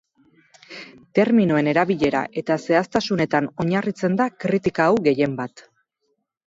Terminoen erabilera eta zehaztasunetan oinarritzen da kritika hau gehienbat.